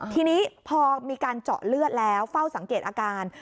ทีนี้พอมีการเจาะเลือดแล้วเฝ้าสังเกตอาการ